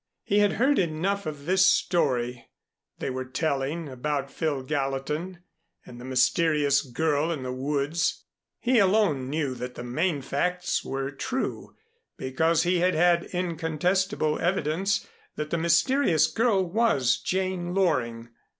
He had heard enough of this story they were telling about Phil Gallatin and the mysterious girl in the woods. He alone knew that the main facts were true, because he had had incontestible evidence that the mysterious girl was Jane Loring.